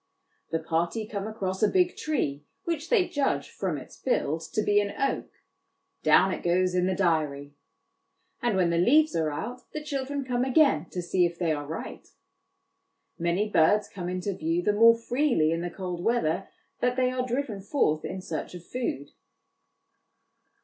The party come across a big tree which they judge, from its build, to be an oak down it goes in the diary ; and when the leaves are out, the children come again to see if they are right. Many birds come into view the more freely in the cold weather that they are driven forth in search of food.